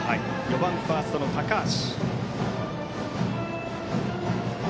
４番、ファーストの高橋。